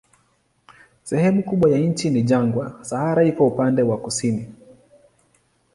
Sehemu kubwa ya nchi ni jangwa, Sahara iko upande wa kusini.